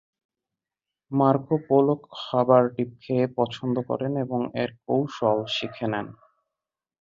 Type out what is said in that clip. Marco Polo খাবারটি খেয়ে পছন্দ করেন এবং এর কৌশল শিখে নেন।